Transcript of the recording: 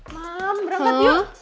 mam berangkat yuk